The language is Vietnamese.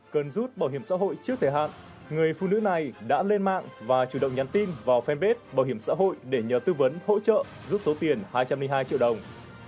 cần rút bảo hiểm xã hội trước thời hạn người phụ nữ này đã lên mạng và chủ động nhắn tin vào fanpage bảo hiểm xã hội để nhờ tư vấn hỗ trợ giúp số tiền hai trăm linh hai triệu đồng